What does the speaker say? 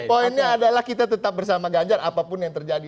poinnya adalah kita tetap bersama ganjar apapun yang terjadi